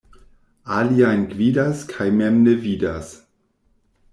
Aliajn gvidas kaj mem ne vidas.